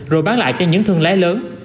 rồi bán lại cho những thương lái lớn